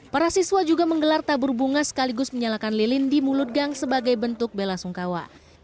para siswa juga menggelar tabur bunga sekaligus menyalakan lilin di mulut gang sebagai bentuk bela sungkawa